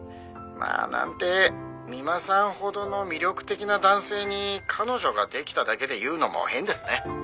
「まあなんて三馬さんほどの魅力的な男性に彼女ができただけで言うのも変ですね」